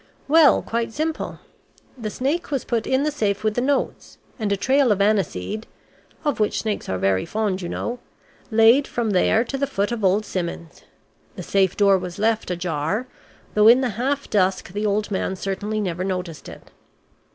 Well, quite simple. The snake was put in the safe with the notes, and a trail of aniseed of which snakes are very fond, you know laid from there to the foot of old Simmons. The safe door was left ajar though in the half dusk the old man certainly never noticed it.